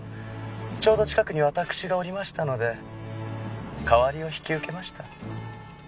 ちょうど近くにわたくしがおりましたので代わりを引き受けました。